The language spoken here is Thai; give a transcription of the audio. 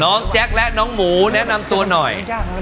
แจ๊คและน้องหมูแนะนำตัวหน่อย